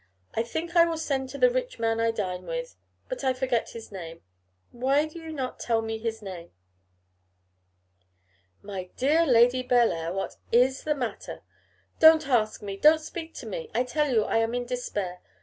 I think I will send to the rich man I dine with; but I forget his name. Why do not you tell me his name?' 'My dear Lady Bellair, what is the matter?' 'Don't ask me; don't speak to me. I tell you I am in despair.